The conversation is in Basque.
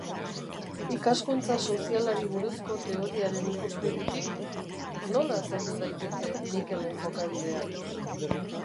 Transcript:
Ikaskuntza sozialari buruzko teoriaren ikuspegitik, nola azaldu daiteke Mikelen jokabidea?